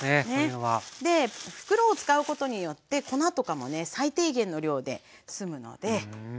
袋を使うことによって粉とかもね最低限の量で済むので。